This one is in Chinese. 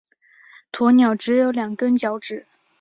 鸵鸟只有两根脚趾。